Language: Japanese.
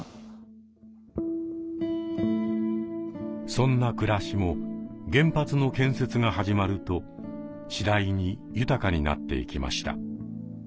そんな暮らしも原発の建設が始まると次第に豊かになっていきました。